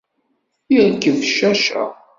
Yerkeb cacca.